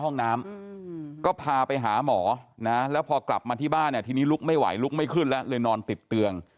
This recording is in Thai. ห้องน้ำก็พาไปหาหมอนะแล้วพอกลับมาที่บ้านเนี่ยทีนี้ลุกไม่ไหวลุกไม่ขึ้นแล้วเลยนอนติดเตียง